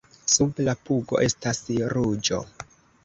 Sub la pugo estas ruĝo.